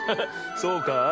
そうかい？